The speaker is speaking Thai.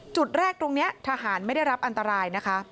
จุดแรกตรงนี้ทหารไม่ได้รับอันตรายนะคะ